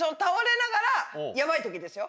ヤバい時ですよ。